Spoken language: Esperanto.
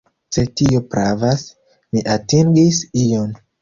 Se tio pravas, mi atingis ion.